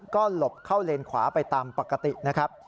ก็หลบเข้าเลนขวาไปตามปกตินะครับ